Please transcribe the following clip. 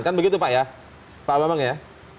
kan begitu pak ya pak bambang ya